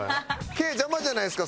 毛邪魔じゃないですか？